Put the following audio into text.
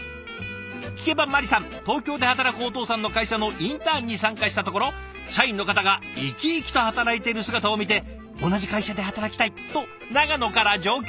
聞けばまりさん東京で働くお父さんの会社のインターンに参加したところ社員の方が生き生きと働いている姿を見て「同じ会社で働きたい！」と長野から上京。